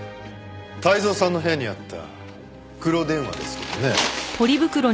泰造さんの部屋にあった黒電話ですけどね。